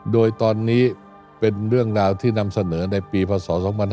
โดยตอนนี้เป็นเรื่องราวที่นำเสนอในปีพศ๒๕๕๙